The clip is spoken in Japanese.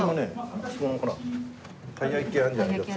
あそこのほらたいやき屋あるじゃない四谷の。